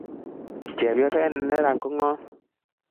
Chepyoset ne neran ne ngom